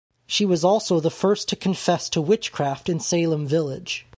She was also the first to confess to witchcraft in Salem Village.